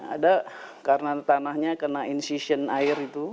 ada karena tanahnya kena incision air itu